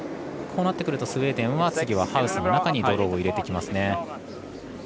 こうなってくるとスウェーデンはハウスの中にドローを入れてきます。